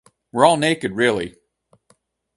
We're all naked really.